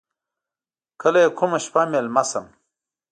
کله یې کومه شپه میلمه شم.